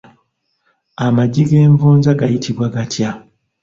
Amagi g'envunza gayitibwa gatya?